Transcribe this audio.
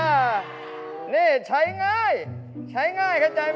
นี่ใช้ง่ายใช้ง่ายเข้าใจไหม